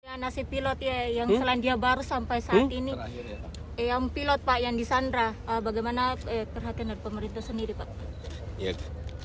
yang nasib pilot yang selain dia baru sampai saat ini yang pilot pak yandi sandra bagaimana perhatian dari pemerintah sendiri pak